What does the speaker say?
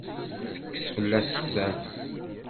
Tekkes fell-as sser.